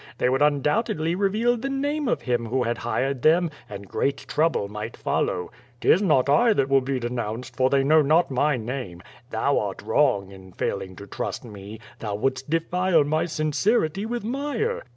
They would undoubtedly reveal the name of him who had hired them, and great trouble might follow. 'Tis not 1 that will be denounced, for they know not my name. Thou art wrong in failing to trust me. Thou wouldst defile my sincerity with mire.